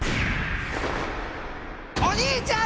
お兄ちゃん！